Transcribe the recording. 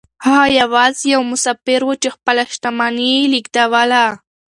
هغه يوازې يو مسافر و چې خپله شتمني يې لېږدوله.